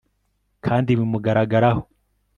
kandi bimugaragaraho